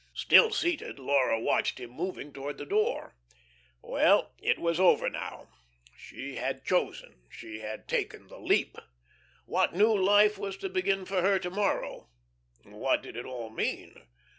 Still seated, Laura watched him moving towards the door. Well, it was over now. She had chosen. She had taken the leap. What new life was to begin for her to morrow? What did it all mean?